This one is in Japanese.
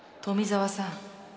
「富沢さん